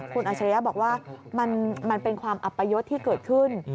คุณอัชริยะบอกว่ามันเป็นความอัปยศที่เกิดขึ้น